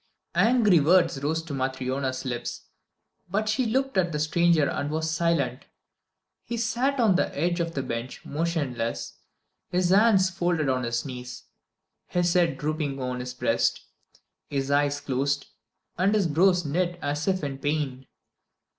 Angry words rose to Matryona's lips, but she looked at the stranger and was silent. He sat on the edge of the bench, motionless, his hands folded on his knees, his head drooping on his breast, his eyes closed, and his brows knit as if in pain.